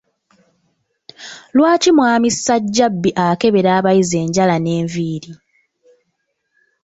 Lwaki mwami Ssajjabbi akebera abayizi enjala n’enviiri?